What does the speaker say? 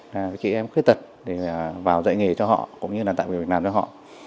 những chị em khuyết tật vào dạy nghề cho họ cũng như làm tạm việc làm cho họ